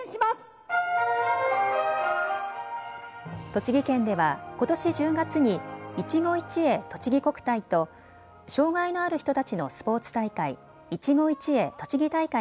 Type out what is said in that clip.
栃木県ではことし１０月にいちご一会とちぎ国体と障害のある人たちのスポーツ大会、いちご一会